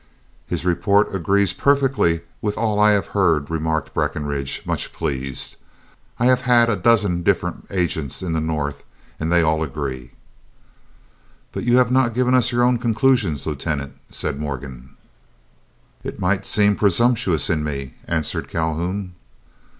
"His report agrees perfectly with all I have heard," remarked Breckinridge, much pleased. "I have had a dozen different agents in the North, and they all agree." "But you have not given us your own conclusions, Lieutenant," said Morgan. "It might seem presumptuous in me," answered Calhoun.